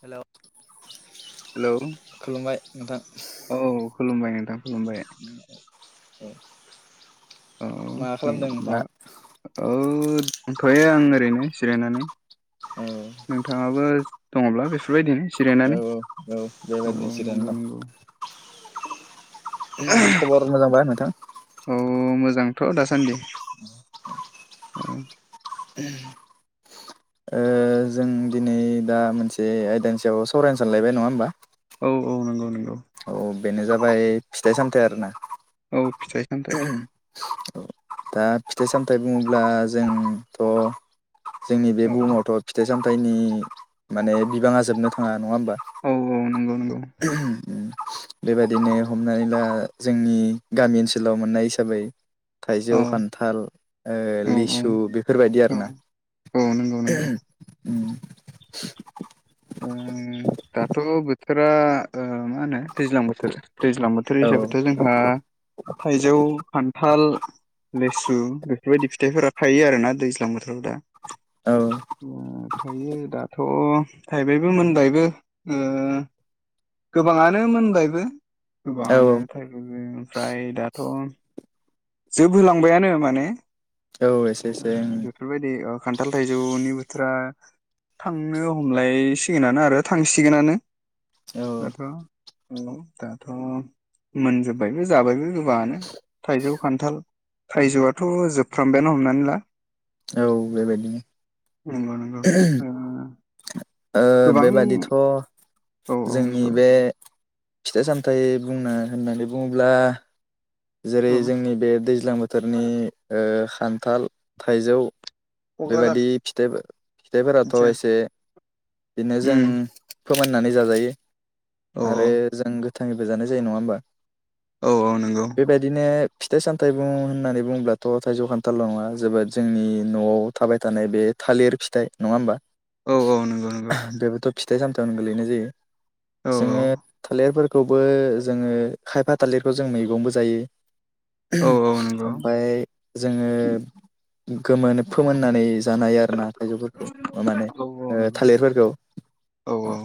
हेल' hello [inaudible] खुलुमबाय नोथां। औ खुलुमबाय नोंथां खुलुमबाय अ। औ उम बा। औ दंथ'यो आं ओरैनो जिरायनानै औ नोंथाङाबो दङब्ला बेफोरबायदिनो औ जिरायनानै। औ औ बेबायदिनो औ जिरायना नंगौ दं। नंगौ खबर मोजां बा नोंथां? अ मोजांथ' दासान्दि औ [inaudible] ओ जों दिनै दा मोनसे आयदानि सायाव सावरायनो सानलायबाय नङा होमबा औ औ नंगौ नंगौ औ बेनो जाबाय फिथाइ सामथाइ आरो ना औ फिथाइ सामथाइ दा फिथाइ सामथायाइ बुङोब्ला जोंथ' जोंनि बे औ बुहुमावथ' फिथाइ सामथाइनि माने बिबाङा जोबनो थाङा नङा होनबा? औ औ नंगौ नंगौ बेबायदिनो हमनानैला जोंनि गामि ओनसोलाव मोननाय हिसाबै थाइजौ औ खान्थाल ओ औ लिसु बेफोरबायदि औ आरोना औ नंगौ नंगौ उम ओ दाथ' बोथोरा ओ मा होनो दैज्लां बोथोर दैज्लां बोथोर औ हिसाबैथ' जोंहा थाइजौ, खान्थाल लेसु बेफोरबायदि फिथाइफोरा थायो आरो ना दैज्लां बोथोराव दा औ थायो दाथ' थाइबायबो मोनबायबो ओ गोबाङानो मोनबायबो औ गोबाङानो थायबायबो ओमफ्राय दाथ' जोबहोलांबायानो माने औ एसे ओ एसे ओं बेफोरबायदि ओ खान्थाल थाइजौनि बोथोरा थांनो हम लायसिगोनानो आरो थांसिगोनानो दाथ' औ दाथ' मोनजोब्बायबो जाबायबो गोबाङानो थाइजौ, खान्थाल थाइजौआथ' जोबफ्रामबायानो हमनानै ला औ बेबायदिनो नंगौ नंगौ ओ ओ ओ ओ बेबादिथ' औ औ जोंनि नंगौ बे फिथाइ सामथाइ बुंनो होननानै बुङोब्ला जेरै औ जोंनि बे दैज्लां बोथोरनि ओ खान्थाल, थाइजौ क'क्राझार बेबायादि फिथाइ फिथाइफोराथ' मिथिया एसे बिनो जों उम फोमोननानै जाजायो औ आरो जों गोथाङैबो जानाय जायो नङा होमबा? औ औ नंगौ बेबायदिनो फिथाइ सामथाइ बुं होननानै बुङोब्लाथ' थाइजौ खान्थाल' नङा जोबोद जोंनि न'आव थाबाय थानाय बे थालिर फिथाइ नङा होमबा? औ औ नंगौ नंगौ बेबोथ' फिथाइ सामथायावनो गोलैनाय जायो। औ औ जोङो थालिरफोरखौबो जोङो खायफा थालिरखौ जों मैगंबो जा जायो औ औ नंगौ ओमफ्राय जोङो गोमोन फोमोननानै जानो हायो आरो ना थाइजौफोरखौ अ माने औ औ ओ नंगौ थालिरफोरखौ औ औ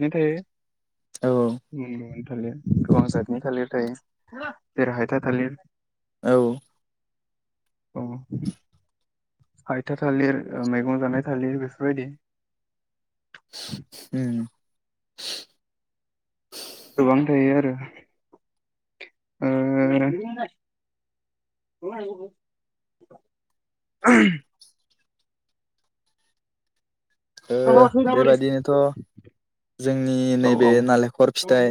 नाथाय औ उम थालिर गोबां जादनि थालिर थायो जेरै हायथा थालिर औ औ हायथा थालिर ओ मैगं जानाय थालिर बेफोरबायदि उम गोबां थायो आरो ओ ओ बेबाददिनोथ' जोंनि नैबे औ नालेंखर फिथाइ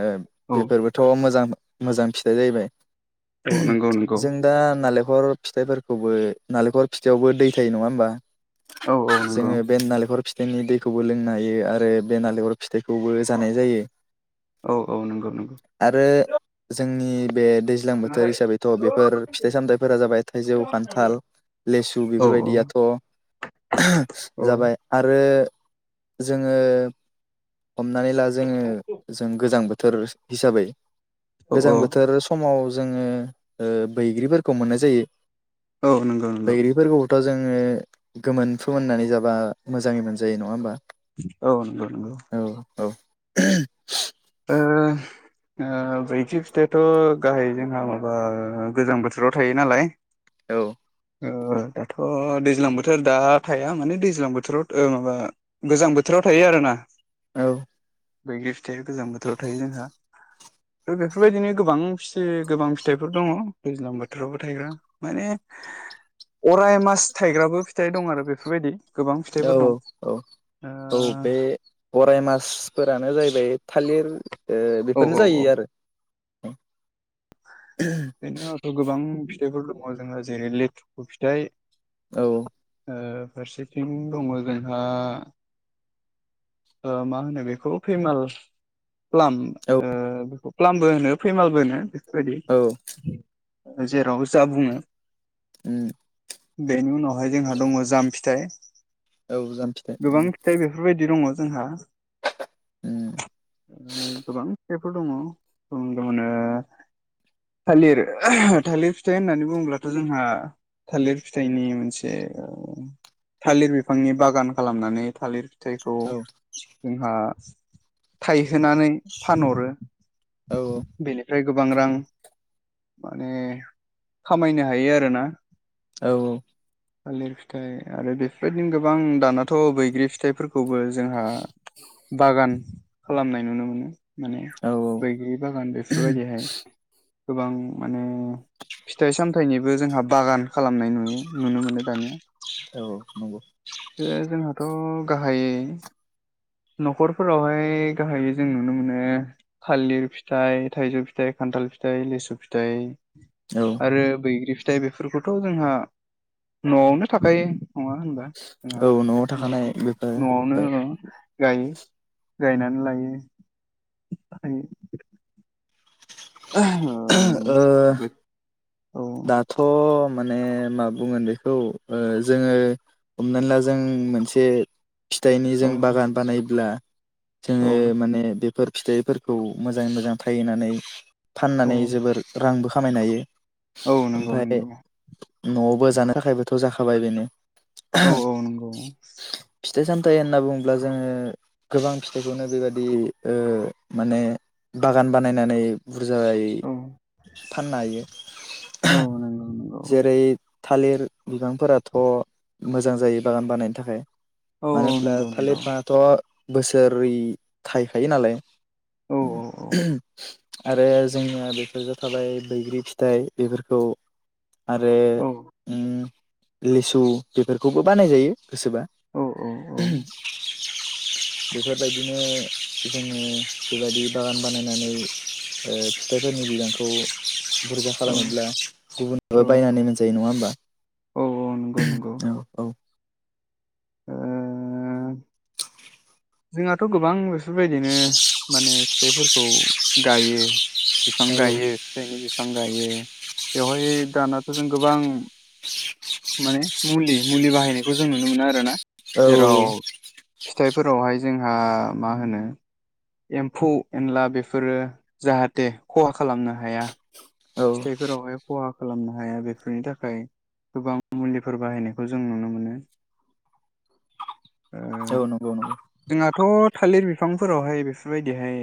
ओ औ बेफोरबोथ' मोजां मोजां फिथाइ जाहैबाय। औ नंगौ नंगौ जों दा नालेंखर फिथाइफोरखौबो नालेंखर फिथाइावबो दै थायो नङा होमबा औ औ नंगौ जोङो बे नालेंखर थायनि दैखौबो लोंनो हायो आरो बे नालेंखर फि थायखौबो जानाय जायो औ औ नंगौ नंगौ आरो जोंनि बे दैज्लां बोथोर खोनाबाय? हिसाबैथ' औ औ बेफोर फिथाइ सामथायाइफोरा जाबाय थाइजौ खान्थाल लेसु बेफोरबायदियाथ' औ जाबाय आरो जोङो हमनानै ला जोङो जों गोजां बोथोर हिसाबै औ गोजां बोथोर समाव जोङो ओ बैग्रिफोरखौ मोननाय जायो औ नंगौ नंगौ थ' जोङो गोमोन फोमोननानै जाबा मोजाङै मोनजायो नङा होमबा औनंग नंगौ औ औ ओह ब्रैथि फिथाइाथ' गाहाय जोंहा माबा गोजां बोथोराव थायो नालाय औ ओ दाथ' दैज्लां बोथोर दा थाया माने दैज्लां बोरो राव ओ माबा गोजां बोथोराव थायो आरो ना औ बैग्रि फिथाया गोजां बोथोराव थायो जोंहा बेफोरबायदिनो गोबां फिओ गोबां फिथाइफोर दङ दैज्लां बोथोरावबो थायग्रा माने [inaudible] अराय मास थाइग्राबो फिथाइ दं आरो बेफोरबायदि गोबां फिथाइफोर औ दं औ औ ओ बे अराय मास फोरानो जाहैबाय थालिर ओ औ औ बेफोरनो औ जायो आरो बेनोथ' गोबां फिथाइफोर दङ जोंहा जेरै लेथु फिथाइ औ ओ फारसेथिं दङ जोंहा ओ मा होनो बेखौ फैमाल प्लाम औ बेखौ ओ खालामबो होनो फैमालबो होनो औ बेफोरबायदि जेराव जा बुङो उम बेनि उनावहाय जोंहा दङ जाम फिथाइ औ जाम फिथाइ उम गोबां फिथाइ बेफोरबायदि दङ जोंहा [inaudible] ओ गोबां फिथाइ दङ ओं दंनो थालिर थालिर फिथाइ होननानै बुङोब्लाथ' जोंहा थालिर फिथाइनि मोनसे थालिर बिफांनि बागान खालामनानै थालिर फिथाइखौ औ जोंहा थाइहोनानै फानहरो औ बेनिफ फ्राय गोबां रां माने खामायनो हायो आरोना औ थालिर फिथाइ आरो बेफोरबायदिनो गोबां दानाथ' बैग्रि फिथाइफोरखौबो जोंहा बागान खालामनाय नुनो मोनो माने औ बैग्रि बागान बेफोरबायदिहाय गोबां माने फिथाइ सामथायाइनिबो जोंहा बागान खालामनाय नुयो नुनो मोनो दानिया औ नंगौ ओ जोंहाथ' गाहायै [inaudible] न'खरफोरावहाय गाहायै जों नुनो मोनो थालिर फिथाइ थाइजौ फिथाइ खान्थाल फिथाइ लिसु फिथाइ औ आरो बैग्रि फिथाइ बेफोरखौथ' जोंहा न'आवनो थाखायो नङा होनबा औ न'आव जोंहा थाखानाय न' बेफोर न'आवनो गायो गायनानै लायो आमफाय ओ [unintelligible] दाथ' मा ने मा बुंगोन बेखौ ओ जोङो हमनानै ला जों मोनसे फिथाइनि औ जों बागान बानायोब्ला औ जोङो माने बेफोर फिथाइफोरखौ मोजाङै मोजां थायहोनानै औ फाननानै जोबोर रांबो खामायनो हायो। औ नोंगौ ओमफ्राय नोंगौ। न'आवबो जानो थाखायबोथ' जाखाबाय बेनो औ औ नोंगौ फिथाइ सामथाइ होनना बुङोब्ला जोङो गोबां फिथाइखौनो बेबादि ओ माने बागान बानायनानै बुरजाय औ फाननो हायो औ नंगौ नंगौ जेरै थालिर बिबांफोराथ' मोजां जायो बागान बानायनो थाखाय औ मानो औ होनोब्ला नंगौ नंगौ थालिर फिफांआथ' बोसोरै थायखायो नालाय औ औ आरो जोंनिया बेफोरजो थाबाय बैग्रि फि थाइ बेफोरखौ आरो औ उ लिसु बेफोरखौबो बानाय जायो गोसोबा औ बेफोरबायदिनो जोङो बेबायदि बागान बानायनानै ओ फिथाइफोरनि बिबांखौ बुरजा औ खालामोब्ला गुबुन ओ बायनानै मोनजायो नङा होमबा? औ औ नोंगौ नोंगौ। औ औ ओ जोंहाथ' गोबां बेफोरबायदिनो माने फिथाइफोरखौ गायो बिफां गायो फिथाइनि बिफां गायो बेवहाय दानाथ' जों गोबां माने मुलि मुलि बाहायनायखौ जों नुनो मोना आरो ना औ औ औ। फिथाइफोरावहाय जोंहा मा होनो एम्फौ एनला बेफोरो जाहाथे खहा खालामनो हाया औ फिथाइफोरावहाय खहा खालामनो हाया बेफोरनि थाखाय गोबां मुलिफोर बाहायनायखौ जों नुनो मोनो [inaudible] ओ औ नंगौ नंगौ जोंहाथ' थालिर बिफांफोरावहाय बेफोरबायदिहाय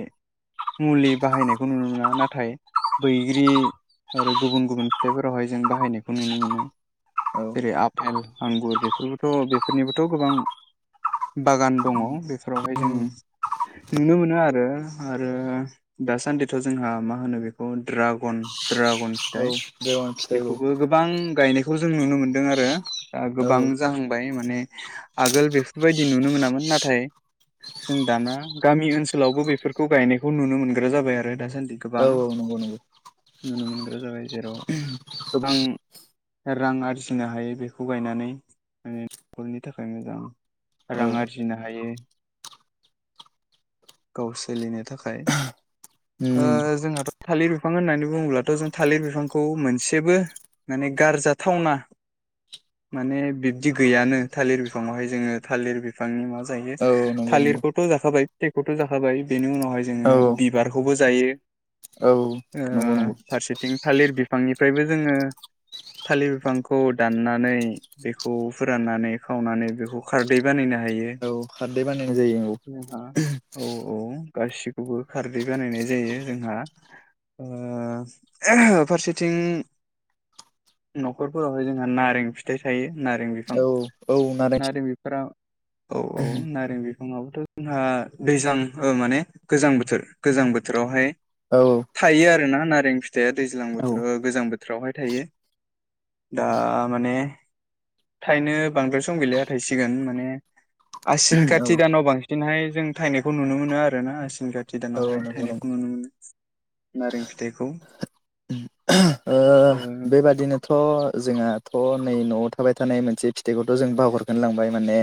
मुलि बाहायनायखौ नुनो मोना नाथाय बैग्रि आरो गुबुन गुबुन फिथाइफोरावहाय जों बाहायनायखौ नुनो मोनो औ जेरै आफेल आंगुर बेफोरबोथ' बेफोरनिबोथ' गोबां बागान दङ बेफोरावहाय जों उम नुनो मोनो आरो आरो दासान्दिथ' जोंहा मा होनो बेखौ ड्रागन ड्रागन औ फिथाइ ड्रागन फिथाइखौ बेखौबो गोबां गायनायखौ जों नुनो मोनदों आरो दा औ गोबां जाहांबाय माने आगोल बेफोरबायदि नुनो मोनामोन नाथाय जों दाना गामि ओनसोलावबो बेफोरखौ गायनायखौ नुनो मोनग्रा जाबाय आरो दासान्दि औ गोबां औ नंगौ नंगौ नुनो मोनग्रा जाबाय जेराव गोबां रां आरजिनो हायो बेखौ गायनानै माने नखरनि थाखाय मोजां रां औ आरजिनो हायो [inaudible] गाव सोलिनो थाखाय उम जोंहाथ' थालिर बिफां होननानै बुङोब्लाथ' जों थालिर बिफांखौ मोनसेबो माने गारजाथावना माने बिब्दि गैयानो थालिर बिफांआवहाय जोङो थालिर बिफांनि मा जायो औ नंगौ नंगौ थालिरखौथ' जाखाबाय [unintelligible] खौथ' जाखाबाय बेनि उनावहाय जोङो औ बिबारखौबो जायो औ नंगौ नंगौ फारसेथिं थालिर बिफांनिफ्रायबो जोङो थालिर बिफांखौ दाननानै बेखौ फोराननानै खावनानै बेखौ खारदै बानायना हायो खारदै बानायनाय जायो औ जोंहा औ औ गासिखौबो खारदै बानायनाय जायो जोंहा ओ फारसेथिं न'खरफोरावहाय जोंहा नारें फिथाइ थायो नारें बिफां औ औ नारें बिफोराव औ औ नारें बि आंबोथ' जोंहा दैज्लां माने गोजां बोथोर गोजां बोथोरावहाय औ थायो आरोना नारें फिथाइया दैज्लां औ बोथोराव गोजां बोथोरावहाय थायो दा माने थाइनो बांद्राय सम गैलिया थायसिगोन माने आसिन खाति औ दानाव बांसिनहाय जों थायनायखौ नुनो मोनो आरो ना आसिन खाथि औ दानावहाय नंगौ थायनायखौ नंगौ नुनो मोन नारें फिथाइखौ ओ ओ बेबादिनोथ' जोंहाथ' नै न'आव थाबाय थानाय मोनसे फिथाइखौथ' जों बावहरखोन लांबाय माने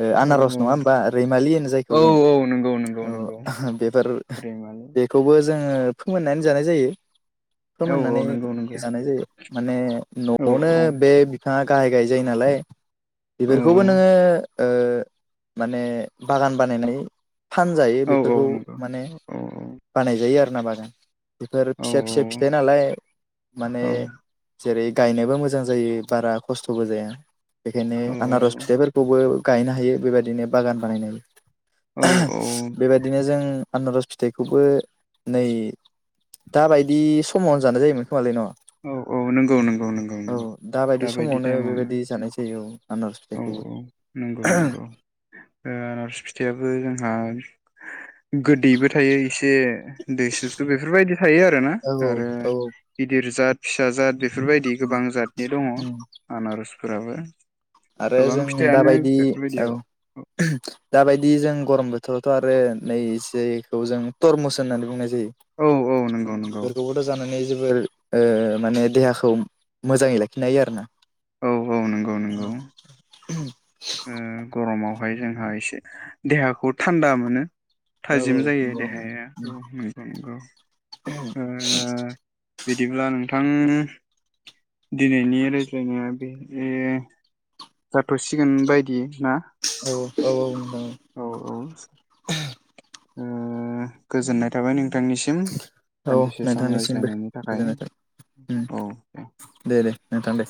ओ आनारस औ नङा होमबा रैमालि होनो जायखौ औ जों औ औ नंगौ नंगौ नंगौ बेफोर ओ' रैमालि बेखौबो जोङो फोमोननानै जानाय जायो औ फोमोननानै औ नंगौ नंगौ जानाय जायो माने औ न'आवनो औ बे बिफाङा गाहाय गाहाय जायो नालाय बेफोरखौबो नोङो ओ माने बागान बानायनाय फानजायो औ बेफोरखौ औ नंगौ माने औ औ बानायजायो आरोना बागान बेफोर औ फिसा फिसा फिथाइ नालाय औ माने जेरै गायनोबो मोजां जायो बारा खस्थ'बो जाया बेखायनो आनारस फिथाइफोरखौबो गायनो हायो बेबायदिनो बागान बानायनो हायो औ आ'ह औ औ बेबायदिनो जों आनारस फिथाइखौबो नै दाबायदि समावनो जानाय जायोमोन खमालै न'? औ औ नंगौ नंगौ नंगौ औ नंगौ दाबायदि दााबायदि समावनो टाइमावनो बेबायदि जानाय जायो औ आनारस औ फिथाइखौबो औ नंगौ नंगौ आनारस फिथाइयाबो जोंहा गोदैबो थायो एसे दैसुसु बेफोरबायदि थायो आरो ना औ आरो औ बि बिरजत फिसाजाद बेफोरबायदि गोबां जतनि दङ आनारसफोराबो आरो गोबां जों फिथाइयानो दाबायदि बेफोरबायदि औ दाबायदि जों गरम बोथोरावथ' आरो नै जेखौ जों थरमुस होननानै बुंनाय औ नंगौ नंगौ खौबोथ' जानानै जोबोर ओ माने देहाखौ मोजाङै लाखिनो हायो आरो ना? औ औ नंगौ नंगौ उ गरमाव बेहाय जोंहा एसे देहाखौ थान्दा मोनो औ थाजिम जायो देहाया रौ नंगौ नंगौ। ओ औ बिदिब्ला नोंथां दिनैनि जोंनिया बे जाथ'सिगोन बायदि ना? औ औ। उम गोजोननाय थाबाय नोंथांनिसिम औ औ दान्दिसे सम नोंथांनिसिमबो रायज्लायनायनि थाखाय गोजोननाय थाबाय औ दे। दे दे नोंथां दे